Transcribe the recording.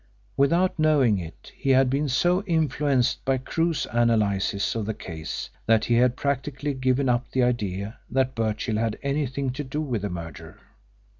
Without knowing it, he had been so influenced by Crewe's analysis of the case that he had practically given up the idea that Birchill had anything to do with the murder.